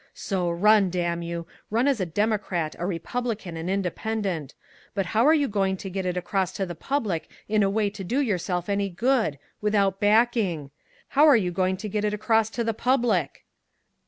So run, damn you run as a Democrat, a Republican, an Independent but how are you going to git it across to the public in a way to do yourself any good without backing? How are you going to git it across to the public?"